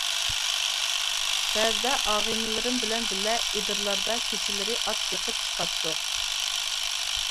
بەزىدە ئاغىنىلىرىم بىلەن بىللە ئېدىرلاردا كېچىلىرى ئات بېقىپ چىقاتتۇق.